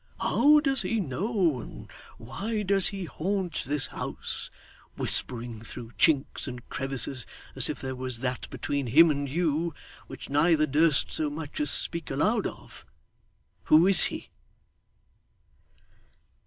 How does he know, and why does he haunt this house, whispering through chinks and crevices, as if there was that between him and you, which neither durst so much as speak aloud of? Who is he?